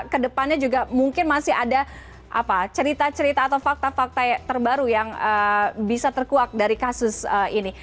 kedepannya juga mungkin masih ada cerita cerita atau fakta fakta terbaru yang bisa terkuak dari kasus ini